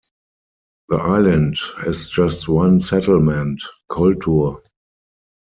The island has just one settlement, Koltur.